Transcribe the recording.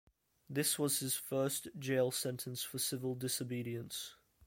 This was his first jail sentence for civil disobedience.